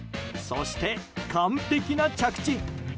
そして、完璧な着地。